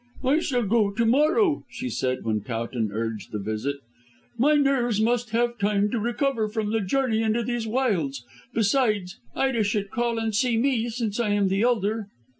"I shall go to morrow," she said when Towton urged the visit. "My nerves must have time to recover from the journey into these wilds. Besides, Ida should call and see me, since I am the elder."